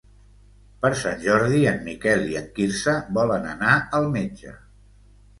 Per Sant Jordi en Miquel i en Quirze volen anar al metge.